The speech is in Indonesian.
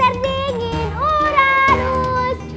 yang terpanas si venus